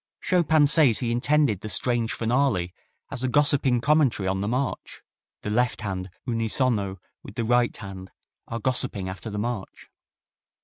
Chopin says he intended the strange finale as a gossiping commentary on the march. "The left hand unisono with the right hand are gossiping after the march."